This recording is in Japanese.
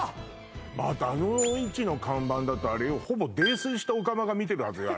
だってあの位置の看板だとあれよほぼ泥酔したオカマが見てるはずよ